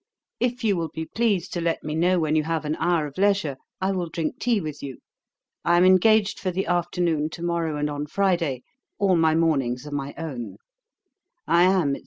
'If you will be pleased to let me know when you have an hour of leisure, I will drink tea with you. I am engaged for the afternoon, to morrow and on Friday: all my mornings are my own. 'I am, &c.